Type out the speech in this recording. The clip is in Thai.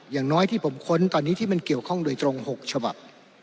อย่างน้อยที่ผมค้นตอนนี้ที่มันเกี่ยวข้องโดยตรง๖ฉบับ